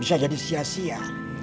bisa jadi sia sia